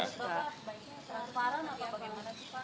pak pak raihan apa bagaimana